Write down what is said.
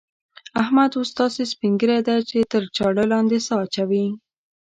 احمد اوس داسې سپين ږيری دی چې تر چاړه لاندې سا اچوي.